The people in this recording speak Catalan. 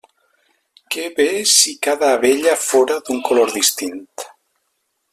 Que bé si cada abella fóra d'un color distint!